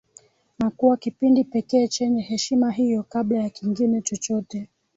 Na kuwa kipindi pekee chenye heshima hiyo kabla ya kingine chochote